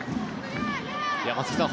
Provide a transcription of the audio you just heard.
松木さん